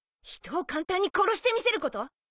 人を簡単に殺してみせること？